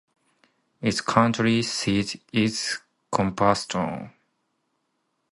Its county seat is Cooperstown.